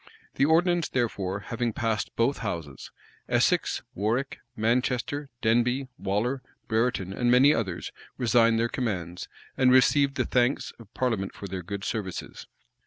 [*] The ordinance, therefore, having passed both houses, Essex, Warwick, Manchester, Denbigh, Waller, Brereton, and many others, resigned their commands, and received the thanks of parliament for their good services.